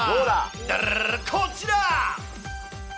だらららら、こちら！